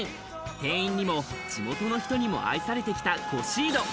店員にも地元の人にも愛されてきたコシード。